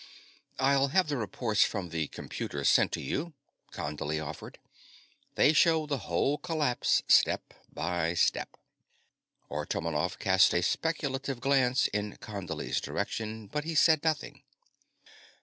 "I'll have the reports from the computers sent to you," Condley offered. "They show the whole collapse, step by step." Artomonov cast a speculative glance in Condley's direction, but he said nothing.